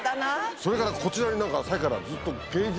それからこちらにさっきからずっと。